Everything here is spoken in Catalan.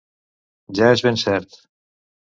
Ja és ben cert.